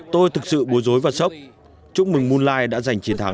tôi thực sự bối rối và sốc chúc mừng moonlight đã giành chiến thắng